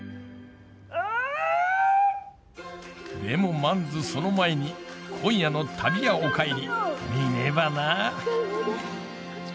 でもまんずその前に今夜の「旅屋おかえり」見ねえばなあ。